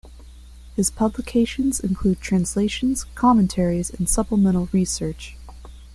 His publications include translations, commentaries, and supplemental research.